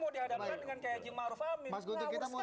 menyakinkan bahwa umat harus diperhatikan